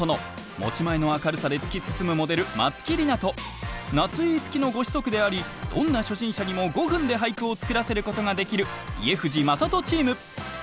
持ち前の明るさで突き進むモデルまつきりなと夏井いつきのご子息でありどんな初心者にも５分で俳句を作らせることができる家藤正人チーム。